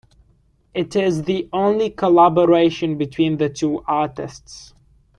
It is the only collaboration between the two artists.